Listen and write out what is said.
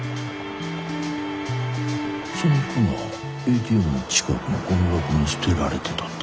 その服がＡＴＭの近くのゴミ箱に捨てられてたって。